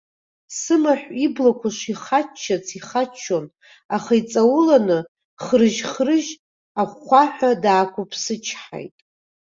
Сымаҳә иблақәа шихаччац ихаччон, аха иҵауланы хрыжь-хрыжь ахәхәаҳәа даақәыԥсычҳаит.